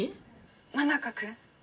真中君？